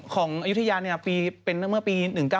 ของยุทธยาเนี่ยเป็นเมื่อปี๑๙๙๑